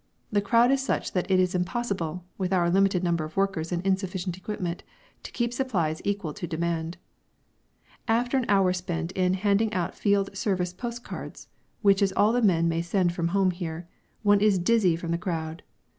The crowd is such that it is impossible (with our limited number of workers and insufficient equipment) to keep supplies equal to demand. After an hour spent in handing out field service post cards (which is all the men may send home from here) one is dizzy from the crowd.